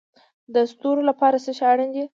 د ستورو لپاره څه شی اړین دی؟